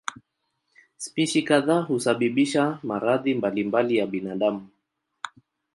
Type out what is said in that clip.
Spishi kadhaa husababisha maradhi mbalimbali ya binadamu.